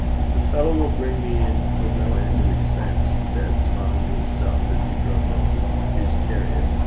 'The fellow will bring me in for no end of expense,' he said, smiling to himself, as he drove home in his chariot.